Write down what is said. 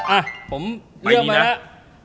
อ่ะผมเลือกมาแล้ว